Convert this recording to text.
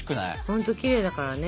ほんときれいだからね。